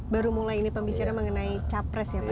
baru mulai ini pembicaraan mengenai capres ya pak ya tadi ya